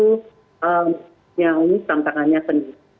menyangkut tantangannya sendiri